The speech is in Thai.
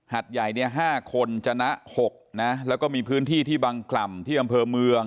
ใหญ่เนี่ย๕คนชนะ๖นะแล้วก็มีพื้นที่ที่บังกล่ำที่อำเภอเมือง